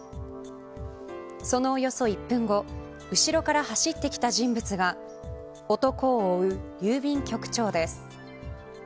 そのおよそ１分後後ろから走ってきた人物が男を追う郵便局長です。